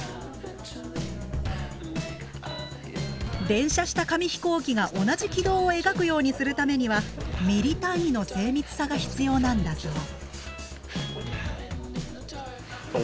連射した紙飛行機が同じ軌道を描くようにするためにはミリ単位の精密さが必要なんだそう。